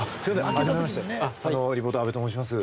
改めましてリポーター阿部と申します。